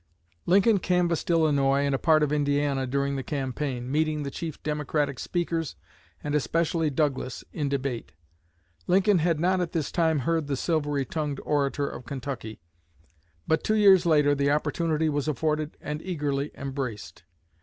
Lincoln canvassed Illinois and a part of Indiana during the campaign, meeting the chief Democratic speakers, and especially Douglas, in debate. Lincoln had not at this time heard the "silvery tongued orator" of Kentucky; but two years later the opportunity was afforded and eagerly embraced.